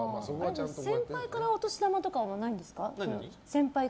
先輩からお年玉とかはないんですか？